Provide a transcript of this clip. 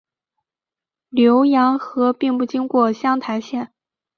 浏阳河并不经过湘潭县。